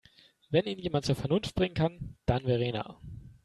Wenn ihn jemand zur Vernunft bringen kann, dann Verena.